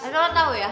ada orang tau ya